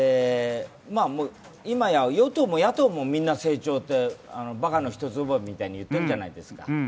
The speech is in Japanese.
今や、与党も野党もみんな、成長ってばかの一つ覚えみたいに言ってるじゃないですか。